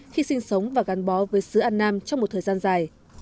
khi sinh sống và gắn bó với sứ an nam trong một thời gian dài